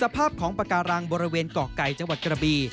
ภาพของปากการังบริเวณเกาะไก่จังหวัดกระบี